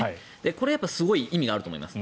これはすごい意味があると思います。